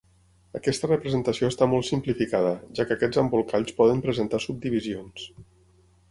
Aquesta representació està molt simplificada, ja que aquests embolcalls poden presentar subdivisions.